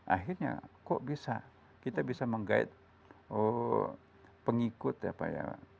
akhirnya kok bisa kita bisa menggait pengikut ya pak ya